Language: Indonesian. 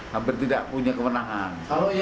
hampir tidak punya kewenangan